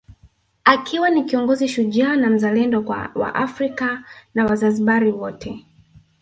Alikuwa ni kiongozi shujaa na mzalendo kwa wa Afrika na wazanzibari wote